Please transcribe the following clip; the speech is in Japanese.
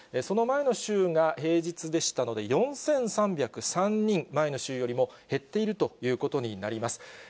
その前の週が平日でしたので、４３０３人、前の週よりも減っているということになります。